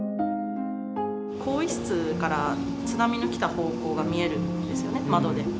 更衣室から津波が来た方向が見えるんですよね、窓で。